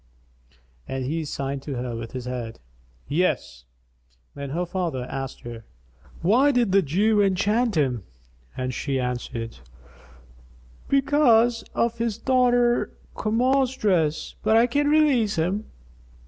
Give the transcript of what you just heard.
And he signed to her with his head, "Yes." Then her father asked her, "Why did the Jew enchant him?"; and she answered, "Because of his daughter Kamar's dress; but I can release him."